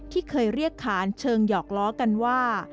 ที่เคยเรียกขานเชิงหยอกล้อกันว่า